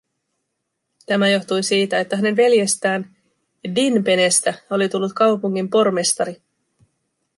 Tämä johtui siitä, että hänen veljestään, Dinpenestä, oli tullut kaupungin pormestari.